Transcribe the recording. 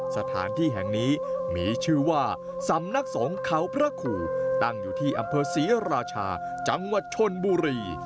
สถานที่แห่งนี้มีชื่อว่าสำนักสงฆ์เขาพระขู่ตั้งอยู่ที่อำเภอศรีราชาจังหวัดชนบุรี